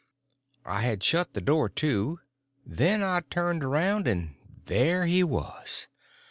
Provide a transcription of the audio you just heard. I had shut the door to. Then I turned around and there he was.